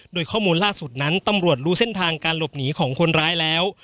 โดยข้อมูลล่าสุดนั้นตำรวจรู้เส้นทางการหลบหนีของคนร้ายแล้ว